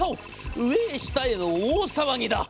上へ下への大騒ぎだ。